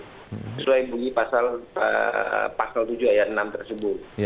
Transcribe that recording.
sesuai bunyi pasal tujuh ayat enam tersebut